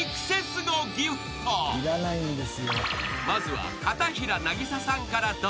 ［まずは片平なぎささんからどうぞ］